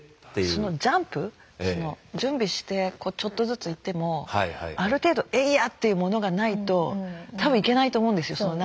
そのジャンプその準備してちょっとずつ行ってもある程度エイヤーっていうものがないと多分行けないと思うんですよ。